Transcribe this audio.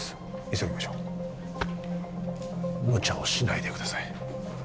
急ぎましょうむちゃをしないでください